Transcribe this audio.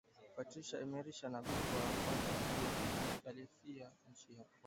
Patrice Emerie ni bingwa wa kwanza aliya fiya inchi ya kongo